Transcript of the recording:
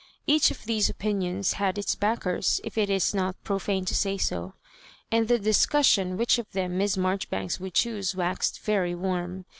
Each of these opinions had its backers, if it is not profane to say so ; and the discussion which of them Miss Marjoribanks would choose waxed very warm.